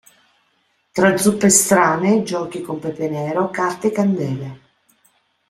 Tra zuppe strane, giochi con pepe nero carta e candele.